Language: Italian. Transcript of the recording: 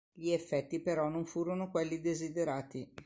Gli effetti però non furono quelli desiderati.